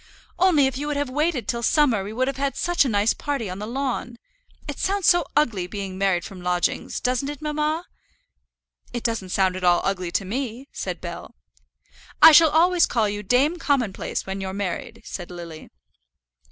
"Only if you would have waited till summer we would have had such a nice party on the lawn. It sounds so ugly, being married from lodgings; doesn't it, mamma?" "It doesn't sound at all ugly to me," said Bell. "I shall always call you Dame Commonplace when you're married," said Lily.